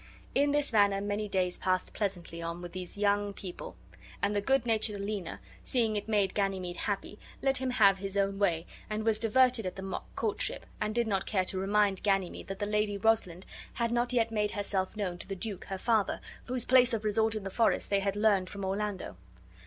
In this manner many days passed pleasantly on with these young people; and the good natured Aliena, seeing it made Ganymede happy, let him have his own way and was diverted at the mock courtship, and did not care to remind Ganymede that the Lady Rosalind had not yet made herself known to the duke her father, whose place of resort in the forest they had learned from Orlando.